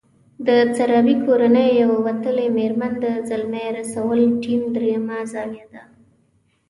د سرابي کورنۍ يوه وتلې مېرمن د زلمي رسول ټیم درېيمه زاویه ده.